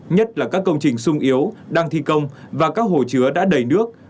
nhất là các công trình sung yếu đang thi công và các hồ chứa đã đầy nước